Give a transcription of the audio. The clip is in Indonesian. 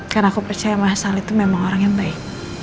karena aku percaya mas al itu memang orang yang baik